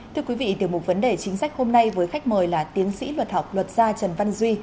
thưa quý vị tiểu mục vấn đề chính sách hôm nay với khách mời là tiến sĩ luật học luật gia trần văn duy